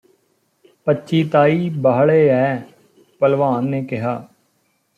ਪੱਚੀ ਤਾਈ ਬਾਹਲੇ ਐ ਭਲਵਾਨ ਨੇ ਕਿਹਾ